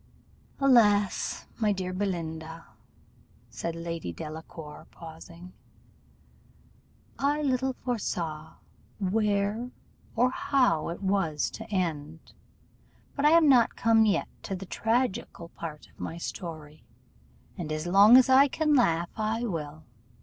"Alas! my dear Belinda," said Lady Delacour, pausing, "I little foresaw where or how it was to end. But I am not come yet to the tragical part of my story, and as long as I can laugh I will.